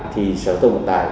thì xã hội tổng hợp tài